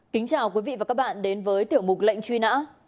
kính chào quý vị và các bạn đến với tiểu mục lệnh truy nã